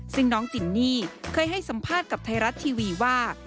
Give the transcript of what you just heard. ซึ่งน้องตินนี่เคยให้สัมภาษณ์กับไทยรัฐทีวีว่า